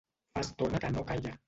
Fa estona que no calla.